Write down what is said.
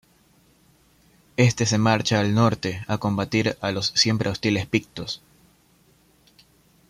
Éste se marcha al norte a combatir a los siempre hostiles pictos.